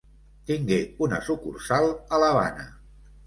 Tingué una sucursal a l'Havana.